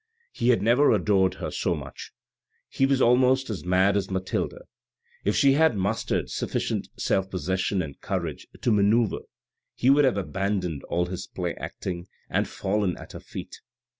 He had never adored her so much ; he was almost as mad as Mathilde. If she had mustered sufficient self possession and courage to manoeuvre, he would have abandoned all his play acting, and fallen at her feet.